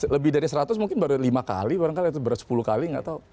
lebih dari seratus mungkin baru lima kali barangkali itu baru sepuluh kali nggak tahu